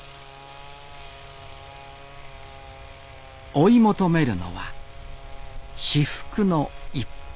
追い求めるのは至福の一服